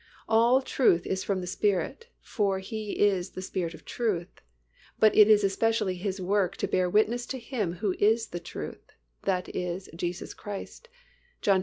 All truth is from the Spirit, for He is "the Spirit of truth," but it is especially His work to bear witness to Him who is the truth, that is Jesus Christ (John xiv.